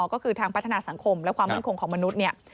ก็คือทางพัฒนาสังคมและความมั่นคงของมนุษย์เนี่ย